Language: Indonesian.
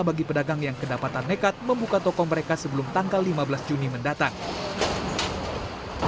bagi pedagang yang kedapatan nekat membuka toko mereka sebelum tanggal lima belas juni mendatang